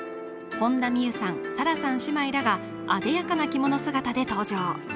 本田望結さん、紗来さん姉妹らがあでやかな着物姿で登場。